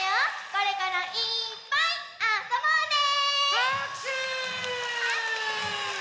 これからいっぱいあそぼうね！はくしゅ！